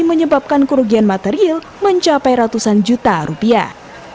menyebabkan kerugian material mencapai ratusan juta rupiah